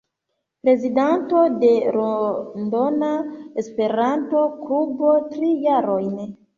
Prezidanto de Londona Esperanto-Klubo tri jarojn.